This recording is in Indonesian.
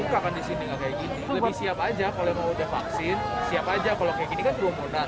lebih siap aja kalau mau ucap vaksin siap aja kalau kayak gini kan kerumunan